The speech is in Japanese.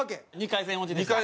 ２回戦落ち。